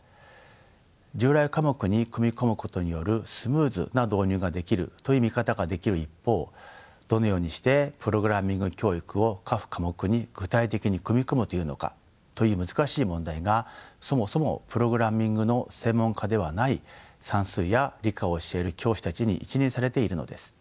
従来科目に組み込むことによるスムーズな導入ができるという見方ができる一方どのようにしてプログラミング教育を各科目に具体的に組み込むというのかという難しい問題がそもそもプログラミングの専門家ではない算数や理科を教える教師たちに一任されているのです。